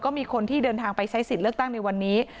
มีคนที่เดินทางไปใช้สิทธิ์เลือกตั้งในวันนี้